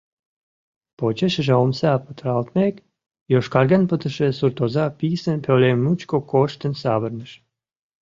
Почешыже омса петыралтмек, йошкарген пытыше суртоза писын пӧлем мучко коштын савырныш.